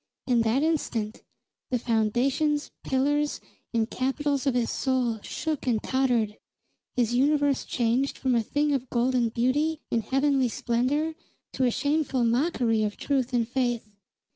In that instant, the foundations, pillars, and capitals of his soul shook and tottered; his universe changed from a thing of golden beauty and heavenly splendor to a shameful mockery of truth and faith.